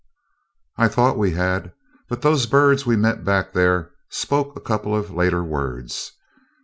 "I thought we had, but those birds we met back there spoke a couple of later words.